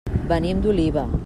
Venim d'Oliva.